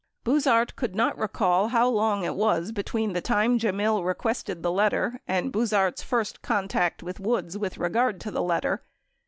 90 Buzhardt could not recall how long it was between the time Gemmill requested the letter and Buzhardt's first contact with Woods with regard to the letter.